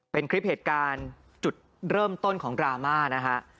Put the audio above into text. เป็นคลิปเหตุการณ์จุดเริ่มต้นของดราม่านะฮะ